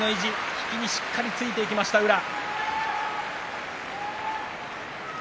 引きにしっかりとついていきました宇良。